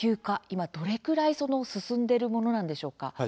今、どれくらい進んでいるものなんでしょうか？